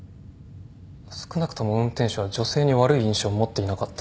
少なくとも運転手は女性に悪い印象を持っていなかった。